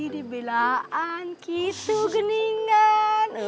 dibelaan gitu geningan